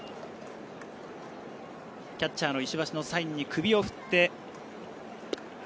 キャッチャーの石橋のサインに首を振って。